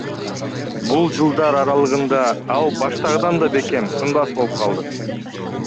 Бул жылдар аралыгында ал баштагыдан да бекем, сынбас болуп калды.